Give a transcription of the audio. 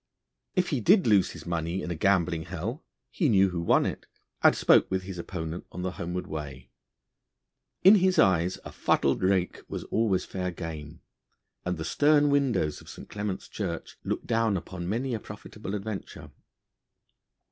If he did lose his money in a gambling hell, he knew who won it, and spoke with his opponent on the homeward way. In his eyes a fuddled rake was always fair game, and the stern windows of St. Clement's Church looked down upon many a profitable adventure.